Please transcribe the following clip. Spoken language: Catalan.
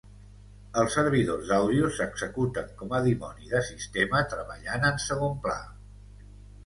Els servidors d'àudio s'executen com a dimoni de sistema treballant en segon pla.